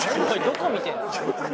どこ見てんすか。